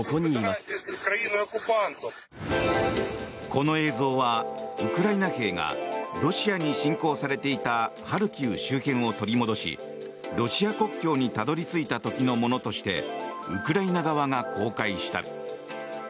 この映像はウクライナ兵がロシアに侵攻されていたハルキウ周辺を取り戻しロシア国境にたどり着いた時のものとしてウクライナ側が公開した。